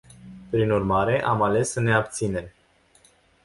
Prin urmare, am ales să ne abținem.